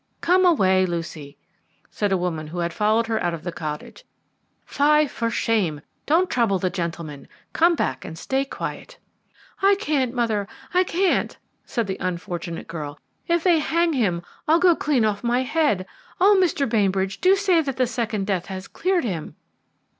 "Come away, Lucy," said a woman who had followed her out of the cottage; "Fie for shame! don't trouble the gentlemen; come back and stay quiet." "I can't, mother, I can't," said the unfortunate girl. "If they hang him, I'll go clean off my head. Oh, Mr. Bainbridge, do say that the second death has cleared him!"